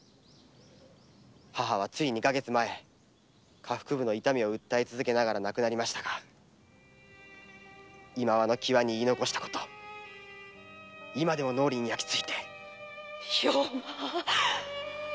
母は二か月前下腹部の痛みを訴え続けながら亡くなりましたがいまわの際に言い残した言葉が今も脳裏に焼きついて。